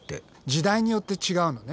時代によって違うのね。